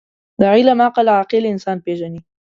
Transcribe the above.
• د علم قدر، عاقل انسان پېژني.